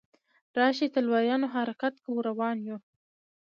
راشئ تلواریانو حرکت کوو روان یو.